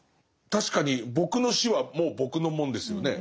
確かに僕の死はもう僕のもんですよね。